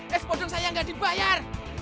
ais padeng saya gak dibayar